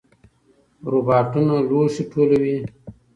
روباټونه لوښي ټولوي.